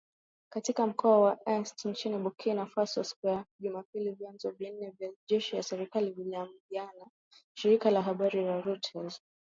Katika mkoa wa Est nchini Burkina Faso siku ya Jumapili vyanzo vine vya jeshi la serikali vililiambia shirika la habari la Reuters